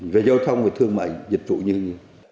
về giao thông về thương mại dịch vụ như thế này